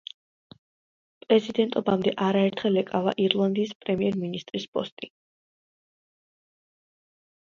პრეზიდენტობამდე არაერთხელ ეკავა ირლანდიის პრემიერ-მინისტრის პოსტი.